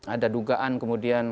ada dugaan kemudian